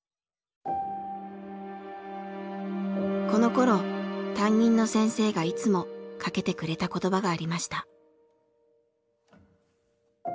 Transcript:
このころ担任の先生がいつもかけてくれた言葉がありました。